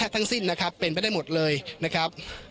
ทั้งสิ้นนะครับเป็นไปได้หมดเลยนะครับ